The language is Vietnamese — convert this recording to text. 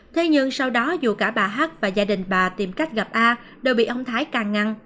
thế nhưng sau đó dù cả bà hát và gia đình bà tìm cách gặp a đều bị ông thái càng ngăn